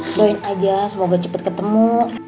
nyalain aja semoga cepet ketemu